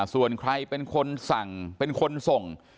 ส่วนใครเป็นคนสั่งเป็นคนส่ง